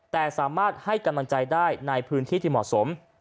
แต่สามารถให้กำลังใจได้ในพื้นที่ที่เหมาะสม